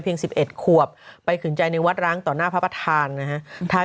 ๑๑ขวบไปขืนใจในวัดร้างต่อหน้าพระประธานนะฮะ